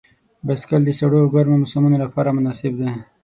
بایسکل د سړو او ګرمو موسمونو لپاره مناسب دی.